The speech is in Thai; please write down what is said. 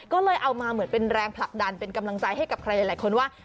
ก็เลยเอามาเหมือนเป็นแรงผลักดันเป็นกำลังใจให้กับใครหลายคนว่า